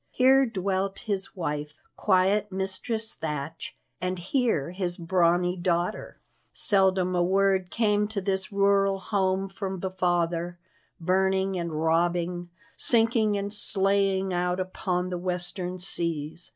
Here dwelt his wife, quiet Mistress Thatch, and here his brawny daughter. Seldom a word came to this rural home from the father, burning and robbing, sinking and slaying out upon the western seas.